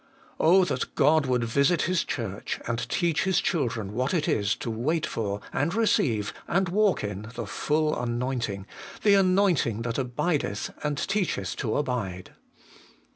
5. Oh that God would visit His Church, and teach His children what it is to wait for, and receive, and walk in the full anointing, the anointing that abideth and teacheth to abide